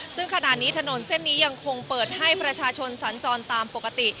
ซึ่งขณะนี้ถนนเส้นนี้ยังคงเปิดให้ประชาชนสัญจรตามปกติ